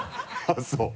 あっそう。